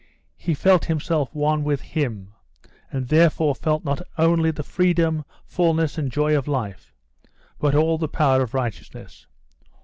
He felt himself one with Him, and therefore felt not only the freedom, fulness and joy of life, but all the power of righteousness.